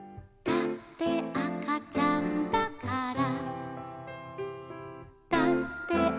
「だってあかちゃんだから」